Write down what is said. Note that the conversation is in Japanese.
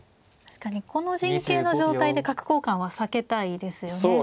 確かにこの陣形の状態で角交換は避けたいですよね